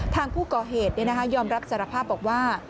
ทางผู้ก่อเหตุยอมรับสารภาพบอกว่า